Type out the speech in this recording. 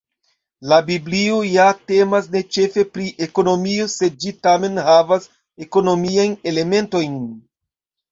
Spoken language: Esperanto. La biblio ja temas ne ĉefe pri ekonomio, sed ĝi tamen havas ekonomiajn elementojn.